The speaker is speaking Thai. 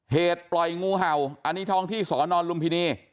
เหตุปล่อยงูเห่าอันนี้ท้องที่สอนอนลุมพินี